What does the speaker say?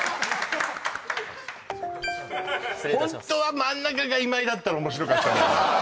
ホントは真ん中が今井だったら面白かったのよ